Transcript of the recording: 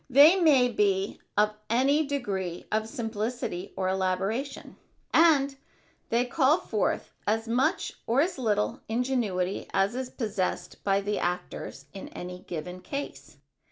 They may be of any degree of simplicity or elaboration, and they call forth as much or as little ingenuity as is possessed by the actors in any given case.